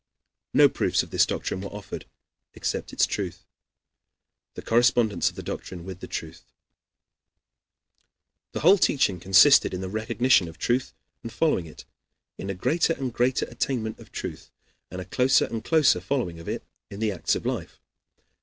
No proofs of this doctrine were offered except its truth, the correspondence of the doctrine with the truth. The whole teaching consisted in the recognition of truth and following it, in a greater and greater attainment of truth, and a closer and closer following of it in the acts of life.